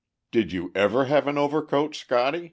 "Did you ever have an overcoat, Scotty?"